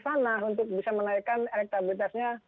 tanah untuk bisa menaikkan elektabilitasnya